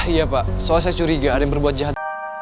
iya pak soal saya curiga ada yang berbuat jahat